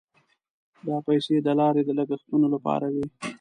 دا پیسې د لارې د لګښتونو لپاره وې.